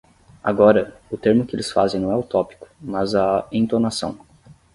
Agora, o termo que eles fazem não é o tópico, mas a "entonação".